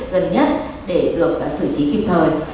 gần nhất để được xử trí kịp thời